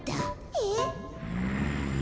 えっ？